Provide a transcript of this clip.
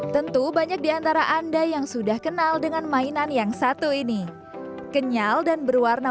tentu banyak diantara anda yang sudah kenal dengan mainan yang satu ini kenyal dan berwarna